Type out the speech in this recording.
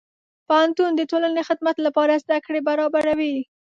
پوهنتون د ټولنې خدمت لپاره زدهکړې برابروي.